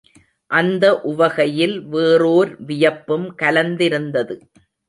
அந்த உவகையில் வேறோர் வியப்பும் கலந்திருந்தது.